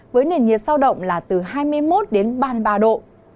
với nền nhiệt sao động là từ hai mươi một đến ba mươi ba độ